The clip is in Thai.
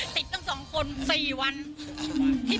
ติดตั้งสองคนเวลากว่างปี